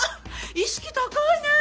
意識高いね。